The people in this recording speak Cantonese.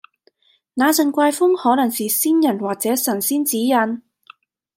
那陣怪風可能是先人或者神仙指引